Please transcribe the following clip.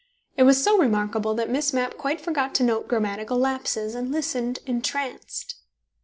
It was so remarkable that Miss Mapp quite forgot to note grammatical lapses and listened entranced.